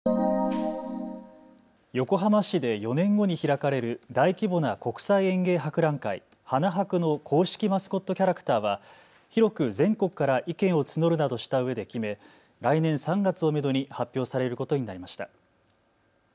横浜市で４年後に開かれる大規模な国際園芸博覧会、花博の公式マスコットキャラクターは広く全国から意見を募るなどしたうえで決め、来年３月をめどに発表されることになりました。